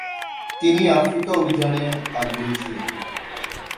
তিনি আফ্রিকা অভিযানে আগ্রহী ছিলেন।